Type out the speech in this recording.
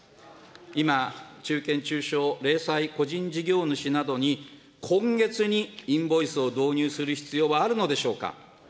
今、中堅・中小・零細・個人事業主などに、今月に、インボイスを導入する必要はあるのでしょうか。